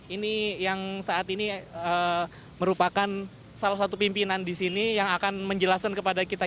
ini yang saat ini merupakan salah satu pimpinan di sini yang akan menjelaskan kepada kita